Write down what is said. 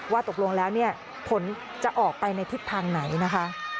ว่าตกลงแล้วเนี่ยผลจะออกไปในทิศทางไหนนะคะ